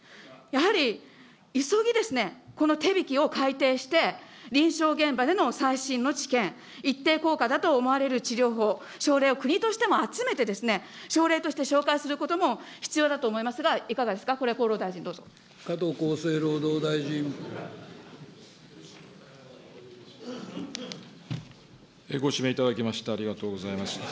やはり急ぎですね、この手引をかいていして、臨床現場での最新のちけん、一定の効果があると思われる治療法、症例を国として集めて、症例として紹介することも必要だと思いますが、いかがですか、こ加藤厚生労働大臣。ご指名をいただきましてありがとうございます。